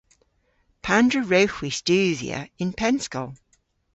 Pandr'a wrewgh hwi studhya y'n pennskol?